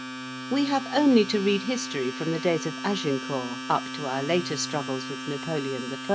We have only to read history from the days of Agincourt up to our later struggles with Napoleon I.